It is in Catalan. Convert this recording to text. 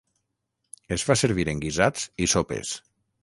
Es fa servir en guisats i sopes.